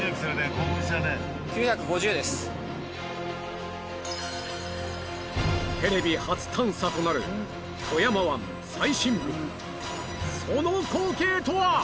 興奮しちゃうねテレビ初探査となる富山湾最深部その光景とは？